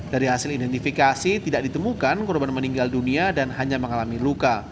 dari hasil identifikasi tidak ditemukan korban meninggal dunia dan hanya mengalami luka